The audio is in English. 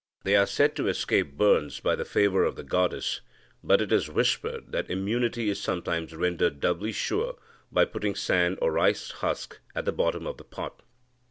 They are said to escape burns by the favour of the goddess, but it is whispered that immunity is sometimes rendered doubly sure by putting sand or rice husk at the bottom of the pot.